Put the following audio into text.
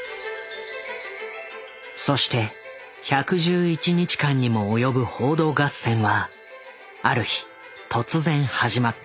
そして１１１日間にも及ぶ報道合戦はある日突然始まった。